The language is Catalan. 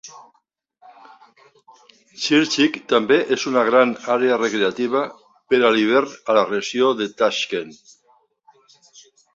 Chirchiq també és una gran àrea recreativa per a l'hivern a la regió de Tashkent.